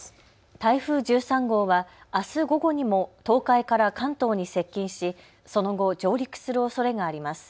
台風１３号はあす午後にも東海から関東に接近しその後、上陸するおそれがあります。